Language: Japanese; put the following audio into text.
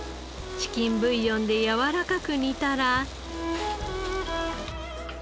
チキンブイヨンでやわらかく煮たら。